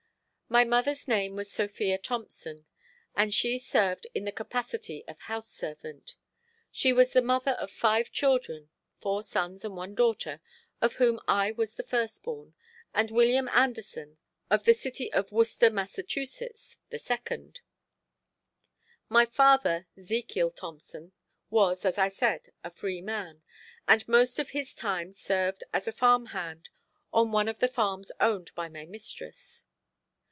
My mother's name was Sophia Thompson, and she served in the capacity of house servant. She was the mother of five children, four sons and one daughter, of whom I was the first born, and William Anderson, of the city of Worcester, Mass., the second. My father, Zekiel Thompson, was, as I said, a free man, and most of his time served as a farm hand on one of the farms owned by my mistress.